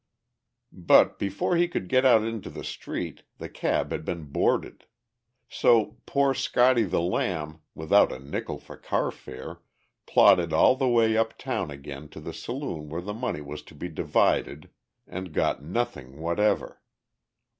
But before he could get out into the street, the cab had been boarded. So poor "Scotty the Lamb," without a nickel for carfare, plodded all the way uptown again to the saloon where the money was to be divided, and got nothing whatever.